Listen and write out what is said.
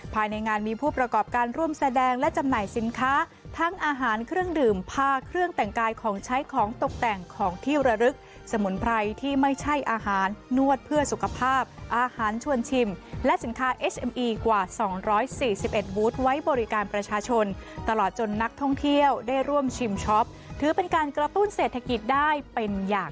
ภายในงานมีผู้ประกอบการร่วมแสดงและจำหน่ายสินค้าทั้งอาหารเครื่องดื่มผ้าเครื่องแต่งกายของใช้ของตกแต่งของที่ระลึกสมุนไพรที่ไม่ใช่อาหารนวดเพื่อสุขภาพอาหารชวนชิมและสินค้าเอสเอ็มอีกว่า๒๔๑บูธไว้บริการประชาชนตลอดจนนักท่องเที่ยวได้ร่วมชิมช็อปถือเป็นการกระตุ้นเศรษฐกิจได้เป็นอย่าง